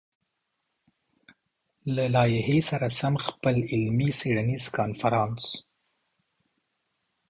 له لايحې سره سم خپل علمي-څېړنيز کنفرانس